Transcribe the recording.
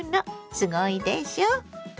すごいでしょ。